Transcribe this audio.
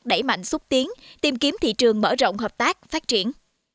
đẩy mạnh xúc tiến tìm kiếm thị trường mở rộng hợp tác phát triển